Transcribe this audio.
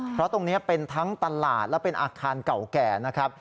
เพราะตรงนี้เป็นทั้งตลาดและเป็นอาคารเก่าแก่นะครับ